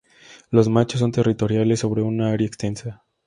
Los machos son territoriales sobre un área extensa.